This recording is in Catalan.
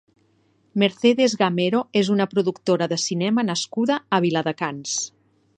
Mercedes Gamero és una productora de cinema nascuda a Viladecans.